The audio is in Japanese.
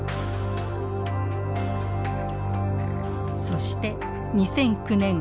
そして２００９年。